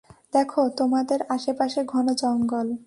দেখো, তোমাদের চারপাশে ঘন জঙ্গল।